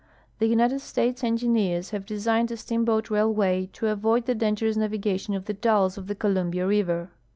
The United States ('ngineers have designed a steamboat railway to avoid tlie dangerous navi gation of The Dalles of the Columbia river.